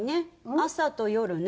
朝と夜ね。